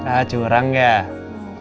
ah curang gak